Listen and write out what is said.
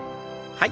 はい。